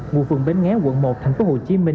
ngụ phường bến nghé quận một tp hcm